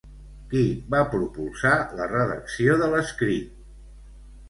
Qui va propulsar la redacció de l'escrit?